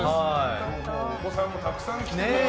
お子さんもたくさん来てくださってね。